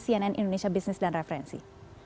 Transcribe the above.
cnn indonesia business dan referensi